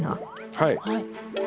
はい。